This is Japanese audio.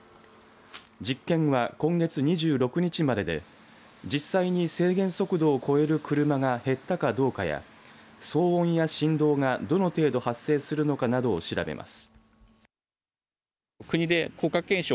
実験は今月２６日までで実際に制限速度を超える車が減ったかどうかや騒音や振動が、どの程度発生するのかなどを調べます。